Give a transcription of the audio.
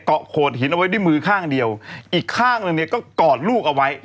โขดหินเอาไว้ด้วยมือข้างเดียวอีกข้างหนึ่งเนี่ยก็กอดลูกเอาไว้